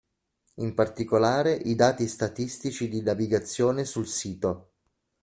In particolare i dati statistici di navigazione sul sito.